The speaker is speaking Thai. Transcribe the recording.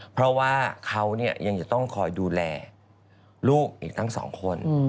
เพราะว่าเขายังจะต้องคอยดูแลลูกอีกทั้งสองคน